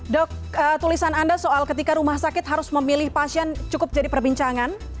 dok tulisan anda soal ketika rumah sakit harus memilih pasien cukup jadi perbincangan